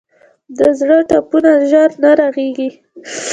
د زړه ټپونه ژر نه رغېږي.